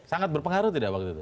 sangat berpengaruh tidak waktu itu